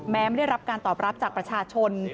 ไม่ได้รับการตอบรับจากประชาชน